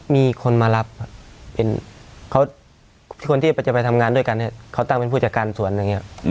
มีคนมารับคนที่จะไปทำงานด้วยกันเนี่ยเขาตั้งเป็นผู้จัดการสวนอย่างนี้